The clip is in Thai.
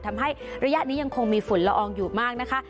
ทำให้ระยะนี้ยังคงมีฝุ่นละอองอยู่มากนะคะ